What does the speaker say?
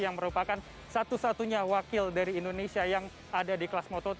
yang merupakan satu satunya wakil dari indonesia yang ada di kelas moto tiga